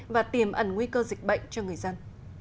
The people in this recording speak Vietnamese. và tiềm ẩn nguy cơ dịch bệnh cho người dân